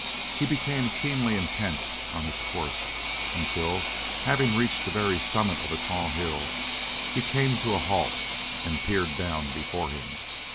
He became keenly intent on his course until, having reached the very summit of a tall hill, he came to a halt and peered down before him.